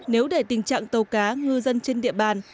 nếu để tình trạng tàu cá ngư dân trên địa bàn